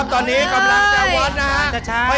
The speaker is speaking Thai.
ตอนนี้กำลังจะวัดนะ